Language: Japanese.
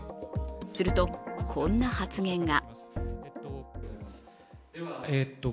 すると、こんな発言が。